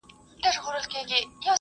دولت د سياست اصلي لوبغاړی ګڼل کېږي.